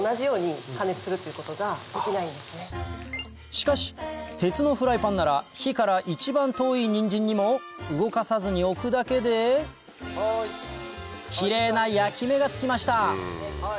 しかし鉄のフライパンなら火から一番遠いニンジンにも動かさずに置くだけでキレイな焼き目がつきました